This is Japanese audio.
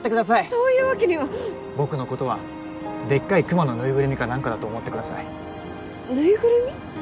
そういうわけには僕のことはでっかいクマのぬいぐるみかなんかだと思ってくださいぬいぐるみ？